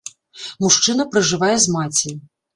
Мужчына пражывае з маці.